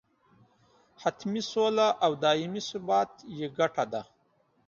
حتمي سوله او دایمي ثبات یې ګټه ده.